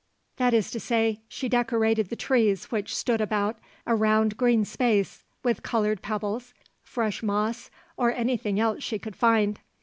That is to say, she decorated the trees which stood about a round green space, with coloured pebbles, fresh moss, or anything else she could find.